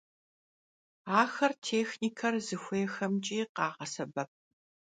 Axer têxniker zıxuêyxemç'i khağesebep.